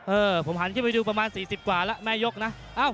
เออผมหันขึ้นไปดูประมาณ๔๐กว่าแล้วแม่ยกนะ